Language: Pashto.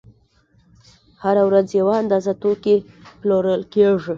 هره ورځ یوه اندازه توکي پلورل کېږي